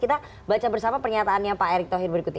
kita baca bersama pernyataannya pak erick thohir berikut ini